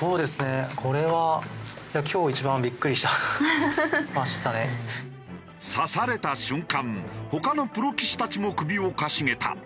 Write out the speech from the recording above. これは。指された瞬間他のプロ棋士たちも首をかしげた。